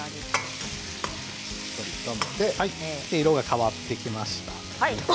色が変わってきました。